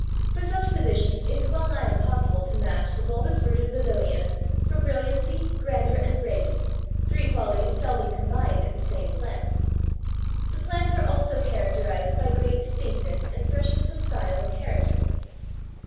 For such positions it is well nigh impossible to match the bulbous rooted Begonias for brilliancy, grandeur and grace, three qualities seldom combined in the same plant. The plants are also characterized by great distinctness and freshness of style and character."